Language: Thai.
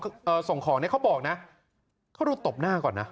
เค้าบอกนะเค้ารูตบหน้าก่อนนะ